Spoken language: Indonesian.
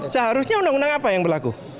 seharusnya undang undang apa yang berlaku